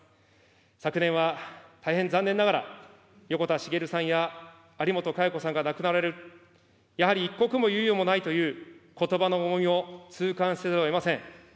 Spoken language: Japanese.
昨年は、大変残念ながら、横田滋さんや有本嘉代子さんが亡くなられる、やはり一刻の猶予もないということばの重みを痛感せざるをえません。